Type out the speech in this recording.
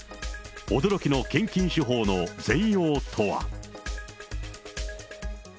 驚きの献金手法の全容とは。